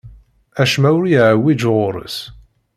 Acemma ur yeɛwiǧ ɣur-s.